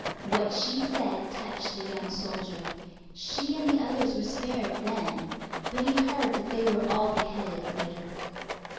What she said touched the young soldier. She and the others were spared then, but he heard that they were all beheaded later.